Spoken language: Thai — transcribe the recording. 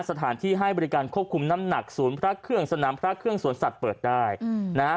สถานที่ให้บริการควบคุมน้ำหนักศูนย์พระเครื่องสนามพระเครื่องสวนสัตว์เปิดได้อืมนะฮะ